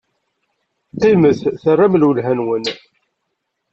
Qqimet terram lwelha-nwen.